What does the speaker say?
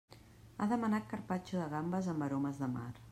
Ha demanat carpaccio de gambes amb aromes de mar.